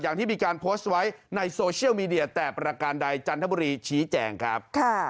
อย่างที่มีการโพสต์ไว้ในโซเชียลมีเดียแต่ประการใดจันทบุรีชี้แจงครับ